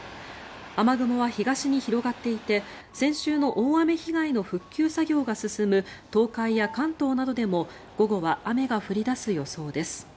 雨雲は東に広がっていて先週の大雨被害の復旧作業が進む東海や関東などでも午後は雨が降り出す予想です。